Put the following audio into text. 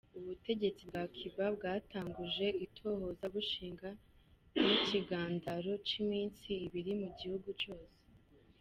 Ubutegetsi bwa Cuba bwatanguje itohoza, bushinga n'ikigandaro c'iminsi ibiri mu gihugu cose.